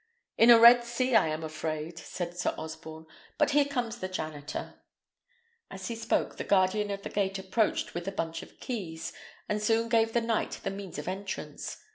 "In a Red Sea, I am afraid," said Sir Osborne. "But here comes the janitor." As he spoke, the guardian of the gate approached with a bunch of keys, and soon gave the knight the means of entrance.